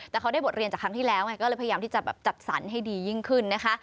แต่เขาได้บทเรียนจากครั้งที่แล้วไงก็เลยพยายามที่จะแบบจัดสรรให้ดียิ่งขึ้นนะคะ